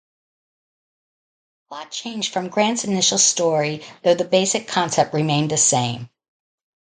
The plot changed from Grant's initial story, though the basic concept remained the same.